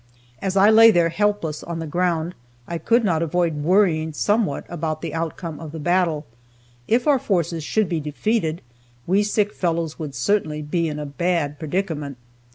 As I lay there helpless on the ground, I could not avoid worrying somewhat about the outcome of the battle. If our forces should be defeated, we sick fellows would certainly be in a bad predicament.